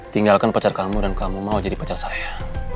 tinggalkan pacar kamu dan kamu mau jadi pacar saya